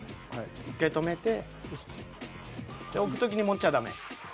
１回止めてで置く時に持っちゃダメ。